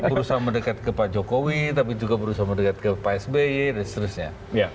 berusaha mendekat ke pak jokowi tapi juga berusaha mendekat ke pak sby dan seterusnya